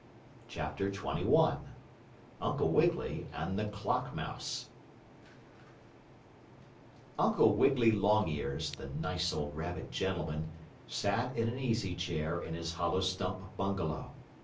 CHAPTER XXI UNCLE WIGGILY AND THE CLOCK MOUSE Uncle Wiggily Longears, the nice old rabbit gentleman, sat in an easy chair in his hollow stump bungalow.